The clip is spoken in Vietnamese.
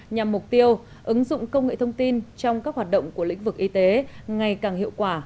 nhằm mục tiêu ứng dụng công nghệ thông tin trong các hoạt động của lĩnh vực y tế ngày càng hiệu quả